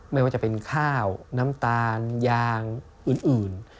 ไม่ว่าจะเป็นข้าวน้ำตาลยางอื่น